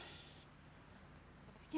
dicuekin gitu waktunya